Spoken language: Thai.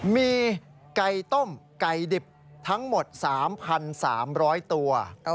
มีไก่ต้มไก่ดิบทั้งหมด๓๓๐๐ตัว